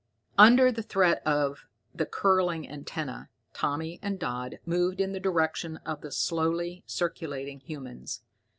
Under the threat of the curling antenna, Tommy and Dodd moved in the direction of the slowly circulating humans.